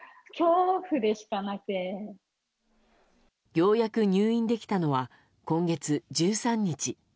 ようやく入院できたのは今月１３日。